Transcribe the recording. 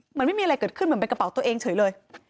ไม่มีอะไรเกิดขึ้นเหมือนเป็นกระเป๋าตัวเองเฉยเลย